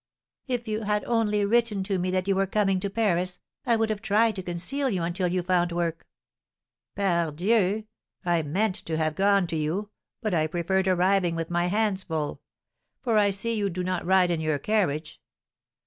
"If you had only written to me that you were coming to Paris, I would have tried to conceal you until you found work." "Pardieu! I meant to have gone to you, but I preferred arriving with my hands full, for I see you do not ride in your carriage.